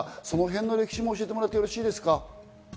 そのへんの歴史も教えてもらってよろしいですか？